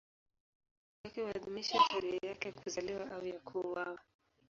Sikukuu yake huadhimishwa tarehe yake ya kuzaliwa au ya kuuawa.